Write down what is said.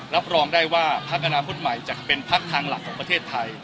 รับรองได้ว่าพักอนาคตใหม่จะเป็นพักทางหลักของประเทศไทย